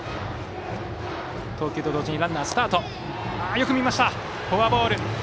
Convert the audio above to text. よく見ましたフォアボール！